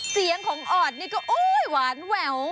เสียงของออดนี่ก็โอ๊ยหวานแหวว